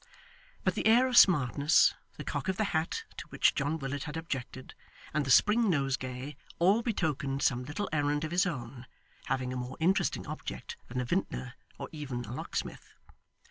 But the air of smartness, the cock of the hat to which John Willet had objected, and the spring nosegay, all betokened some little errand of his own, having a more interesting object than a vintner or even a locksmith.